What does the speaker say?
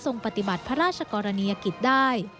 ทรงปฏิบัติพระราชคราวนียกิตได้